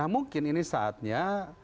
mungkin ini saatnya